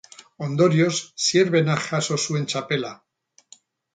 Ondorioz Zierbenak jaso zuen txapela.